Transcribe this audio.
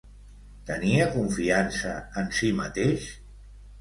Tenia confiança en si mateix?